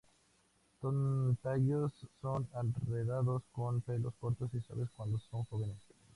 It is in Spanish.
Sus tallos son enredados, con pelos cortos y suaves cuando son jóvenes.